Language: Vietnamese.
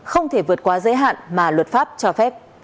không thể vượt qua giới hạn mà luật pháp cho phép